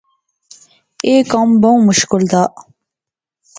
ایہہ کم بہوں مشکل زا